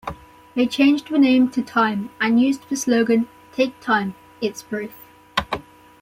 They changed the name to "Time" and used the slogan "Take Time-It's Brief".